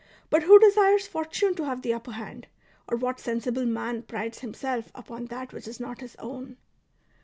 But who desires Fortune to have the upper hand, or what sensible man prides himself upon that which is not his own